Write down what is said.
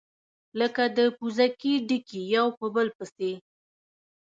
لكه د پوزکي ډَکي يو په بل پسي،